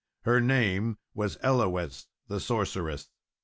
Her name was Ellawes, the sorceress.